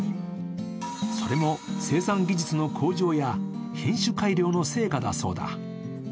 それも生産技術の向上や品種改良の成果だそうだ。